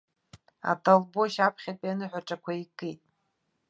Атолбашь аԥхьатәи аныҳәаҿақәа икит.